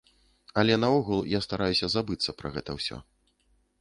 Але наогул, я стараюся забыцца пра гэта ўсё.